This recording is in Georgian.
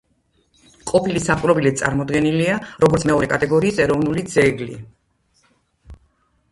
ყოფილი საპყრობილე წარმოდგენილია, როგორც მეორე კატეგორიის ეროვნული ძეგლი.